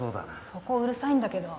そこうるさいんだけど。